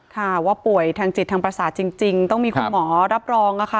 ค่ะว่าป่วยทางจิตทางประสาทจริงต้องมีคุณหมอรับรองค่ะ